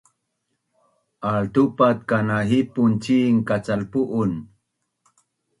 Altupat kanahipun cin kacalpu’un